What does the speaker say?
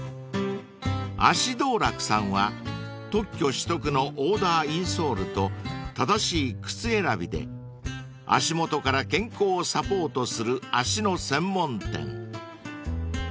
［足道楽さんは特許取得のオーダーインソールと正しい靴選びで足元から健康をサポートする足の専門店］